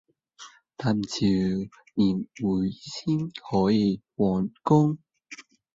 但就要年尾先可以完工